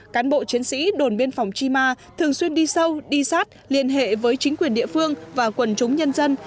cán bộ chiến sĩ đồn viên phòng chi ma thường xuyên đi sâu đi sát liên hệ với chính quyền địa phương và quần chúng nhân dân